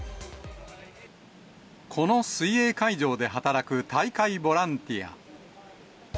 この水泳会場で働く大会ボランティア。